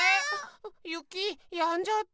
ゆきやんじゃった。